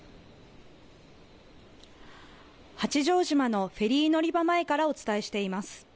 八丈島のフェリー乗り場前からお伝えしています。